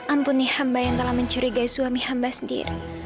ampuni hamba yang telah mencurigai suami hamba sendiri